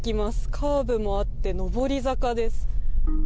カーブもあって、上り坂です。